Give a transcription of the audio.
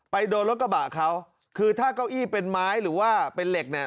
ไปโดนรถกระบะเขาคือถ้าเก้าอี้เป็นไม้หรือว่าเป็นเหล็กเนี่ย